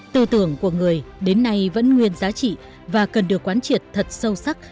tư tưởng của người đến nay vẫn nguyên giá trị và cần được quán triệt thật sâu sắc